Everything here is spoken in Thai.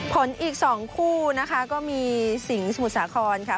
อีก๒คู่นะคะก็มีสิงห์สมุทรสาครค่ะ